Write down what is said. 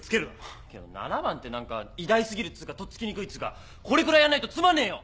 けど『７番』って何か偉大すぎるつーかとっつきにくいつーかこれくらいやんないとつまんねえよ！